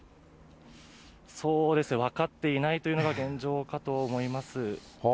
分かっていないというのが現状かと思います。